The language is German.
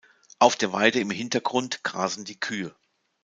Auf der Weide im Hintergrund grasen die Kühe.